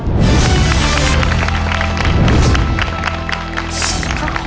หัวใจนะครับ